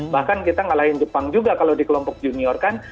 bahkan kita ngalahin jepang juga kalau di kelompok junior kan